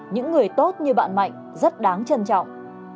những người tốt như bạn mạnh rất đáng trân trọng